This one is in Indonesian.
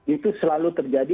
itu selalu terjadi